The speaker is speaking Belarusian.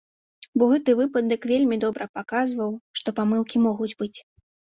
Бо гэты выпадак вельмі добра паказваў, што памылкі могуць быць.